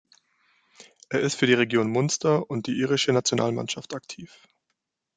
Er ist für die Region Munster und die irische Nationalmannschaft aktiv.